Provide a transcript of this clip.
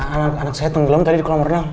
anak anak saya tenggelam tadi di kolam renang